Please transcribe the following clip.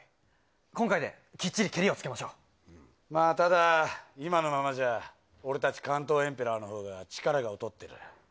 今回できっちりけりをまあ、ただ、今のままじゃ、俺たち関東エンペラーのほうが力が劣ってる。